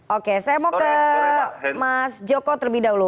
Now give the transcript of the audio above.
oke saya mau ke mas joko terlebih dahulu